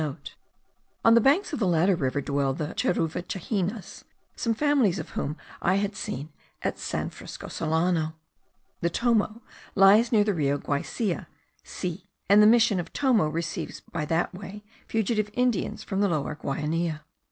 On the banks of the latter river dwell the Cheruvichahenas, some families of whom I have seen at San Francisco Solano. The Tomo lies near the Rio Guaicia (Xie), and the mission of Tomo receives by that way fugitive Indians from the Lower Guainia.